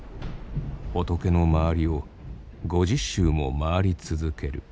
仏の周りを５０周も回り続ける。